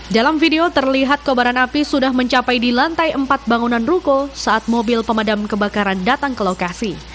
dalam video terlihat kobaran api sudah mencapai di lantai empat bangunan ruko saat mobil pemadam kebakaran datang ke lokasi